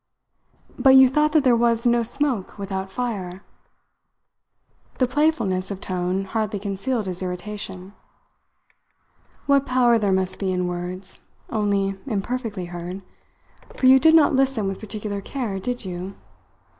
"But you thought that there was no smoke without fire!" the playfulness of tone hardly concealed his irritation. "What power there must be in words, only imperfectly heard for you did not listen with particular care, did you?